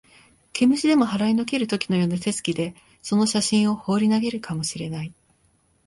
毛虫でも払いのける時のような手つきで、その写真をほうり投げるかも知れない